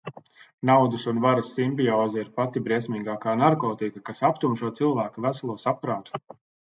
Naudas un varas simbioze ir pati briesmīgākā narkotika, kas aptumšo cilvēka veselo saprātu.